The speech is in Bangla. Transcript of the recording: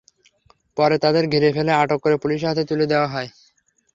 পরে তাদের ঘিরে ফেলে আটক করে পুলিশের হাতে তুলে দেওয়া হয়।